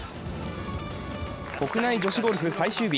国内女子ゴルフ最終日。